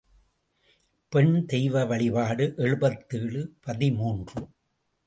பெண் தெய்வ வழிபாடு எழுபத்தேழு பதிமூன்று .